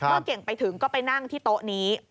เก่งไปถึงก็ไปนั่งที่โต๊ะนี้